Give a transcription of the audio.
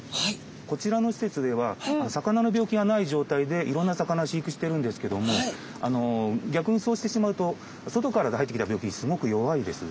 こちらの施設では魚の病気がない状態でいろんな魚を飼育してるんですけども逆にそうしてしまうと外から入ってきた病気にすごく弱いです。